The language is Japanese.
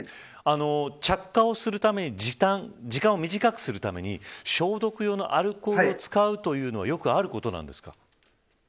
着火をするために時間を短くするために消毒用のアルコールを使うというのはよくあることなんですか。